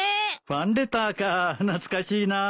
ファンレターか懐かしいなぁ。